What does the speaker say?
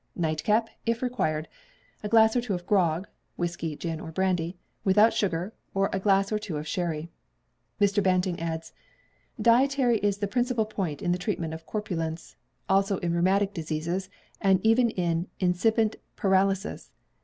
Nightcap (if required). A glass or two of grog, whisky, gin, or brandy, without sugar; or a glass or two of sherry. Mr. Banting adds, "Dietary is the principal point in the treatment of corpulence (also in rheumatic diseases, and even in incipient paralysis).